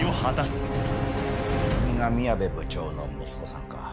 君が宮部部長の息子さんか。